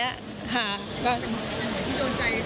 ที่โดยใจ